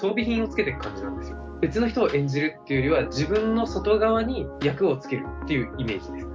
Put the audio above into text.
別の人を演じるというよりは自分の外側に役を付けるっていうイメージです。